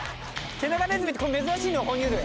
ケナガネズミってこれ珍しいの哺乳類。